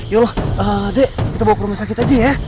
yolah adek kita bawa ke rumah sakit aja ya